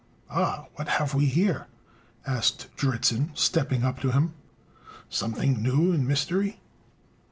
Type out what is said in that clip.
"Ah! what have we here?" asked Dritzhn, stepping up to him; "something new in mystery?"